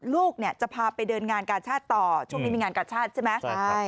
ลูกเนี่ยจะพาไปเดินงานกาชาติต่อช่วงนี้มีงานกาชาติใช่ไหม